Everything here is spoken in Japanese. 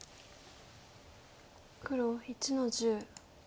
黒１の十。